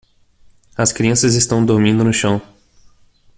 As crianças estão dormindo no chão.